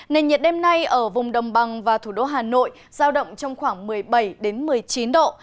nền nhiệt đêm nay ở vùng đồng bằng và thủ đô hà nội giao động trong khoảng một mươi bảy một mươi chín độ